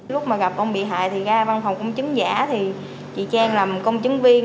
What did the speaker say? lúc mà gặp ông bị hại thì ra văn phòng công chứng giả thì chị trang làm công chứng viên